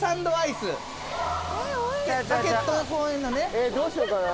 えっどうしようかな。